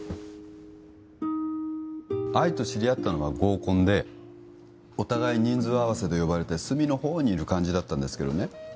愛と知り合ったのは合コンでお互い人数合わせで呼ばれて隅の方にいる感じだったんですけどね